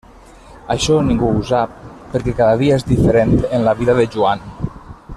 Això ningú no ho sap, perquè cada dia és diferent en la vida de Joan.